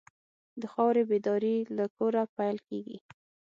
د خاورې بیداري له کوره پیل کېږي.